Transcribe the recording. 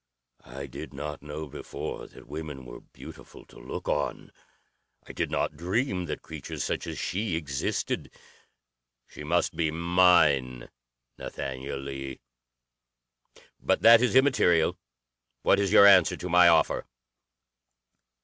I did not know before that women were beautiful to look on. I did not dream that creatures such as she existed. She must be mine, Nathaniel Lee. "But that is immaterial. What is your answer to my offer?"